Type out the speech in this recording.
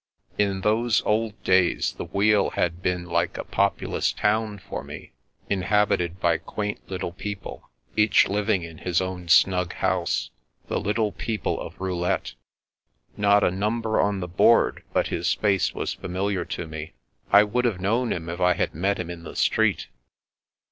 In those old days the wheel had been like a populous town for me, inhabited by quaint little people, each living in his own snug house ; the Little People of Roulette. Not a number on the board but his face was familiar to me; I would have known him if I had met him in the street.